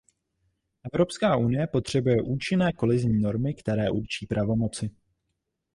Evropská unie potřebuje účinné kolizní normy, které určí pravomoci.